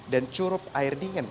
dan curup air dingin